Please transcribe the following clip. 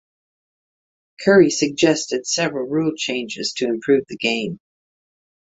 Curry suggested several rule changes to improve the game.